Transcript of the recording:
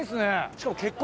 しかも。